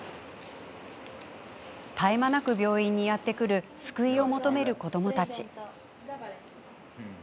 絶え間なく病院にやってくる救いを求める子どもたち。